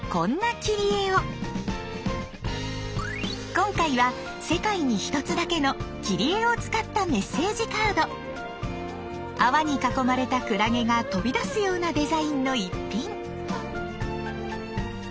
今回は世界に１つだけの切り絵を使った泡に囲まれたクラゲが飛び出すようなデザインの逸品。